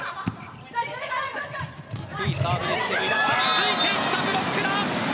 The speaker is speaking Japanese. ついていった、ブロックだ。